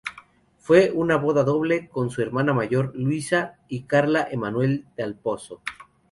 Fue una boda doble, con su hermana mayor Luisa y Carlo Emanuele dal Pozzo.